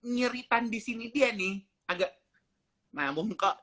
nyeritan disini dia nih agak nabung kok